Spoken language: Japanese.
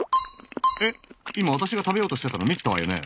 えっ今私が食べようとしてたの見てたわよね。